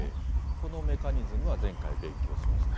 このメカニズムは前回勉強しました。